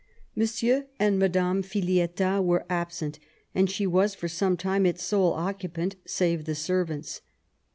Monsieur and Madame Filiettas were absent, and she was for some little time its sole occupant, save the servants.